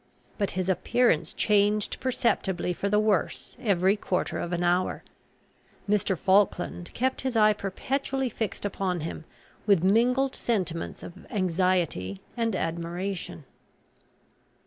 But his appearance changed perceptibly for the worse every quarter of an hour. Mr. Falkland kept his eye perpetually fixed upon him, with mingled sentiments of anxiety and admiration.